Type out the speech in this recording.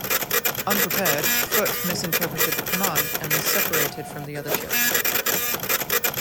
Unprepared, "Foote" misinterpreted the command and was separated from the other ships.